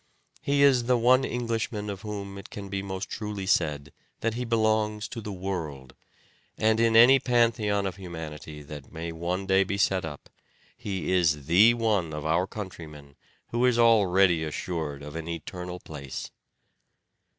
He is the one Englishman of whom it can be most truly said that he belongs to the world ; and in any Pantheon of Humanity that may one day be set up he is the one of our countrymen who is already assured of an eternal place.